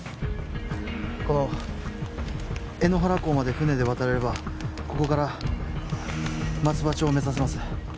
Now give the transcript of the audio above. この江ノ原港まで船で渡れればここから松葉町を目指せます